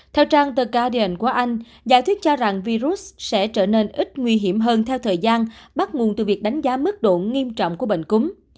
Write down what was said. theo trang the guardian của anh giả thuyết cho rằng virus sẽ trở nên ít nguy hiểm hơn theo thời gian bắt nguồn từ việc đánh giá mức độ nghiêm trọng của bệnh cúm